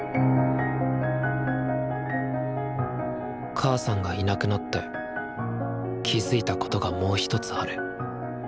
母さんがいなくなって気付いたことがもう一つある。